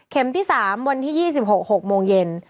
ที่๓วันที่๒๖๖โมงเย็น